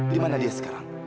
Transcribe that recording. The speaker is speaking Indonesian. dimana dia sekarang